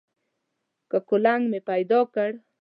که کولنګ مې پیدا کړ.